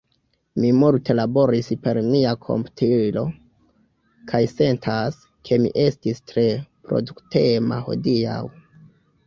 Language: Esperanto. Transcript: Mi multe laboris per mia komputilo, kaj sentas, ke mi estis tre produktema hodiaŭ.